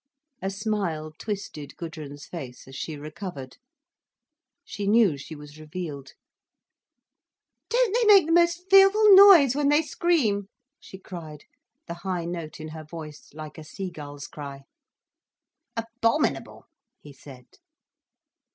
A smile twisted Gudrun's face, as she recovered. She knew she was revealed. "Don't they make the most fearful noise when they scream?" she cried, the high note in her voice, like a seagull's cry. "Abominable," he said.